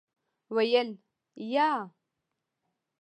ویل : یا .